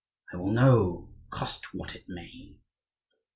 I will know, cost what it may!"